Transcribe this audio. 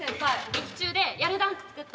劇中でやるダンス作った。